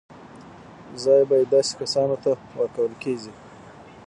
ځای به یې داسې کسانو ته ورکول کېږي.